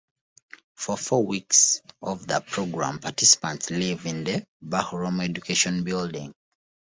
For four weeks of the program, participants live in the Bahrom Education building.